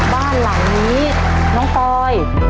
บ้านหลังนี้น้องปอย